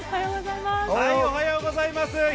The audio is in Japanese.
おはようございます。